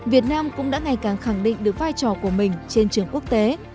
việt nam cũng đã ngày càng khẳng định được vai trò của mình trên trường quốc tế